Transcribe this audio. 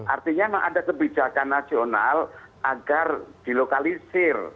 artinya memang ada kebijakan nasional agar dilokalisir